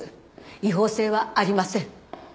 違法性はありません。